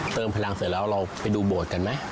พลังเสร็จแล้วเราไปดูโบสถ์กันไหม